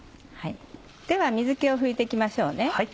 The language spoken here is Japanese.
では水気を拭いて行きましょう。